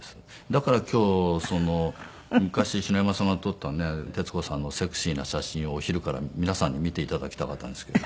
だから今日昔篠山さんが撮った徹子さんのセクシーな写真をお昼から皆さんに見て頂きたかったんですけど。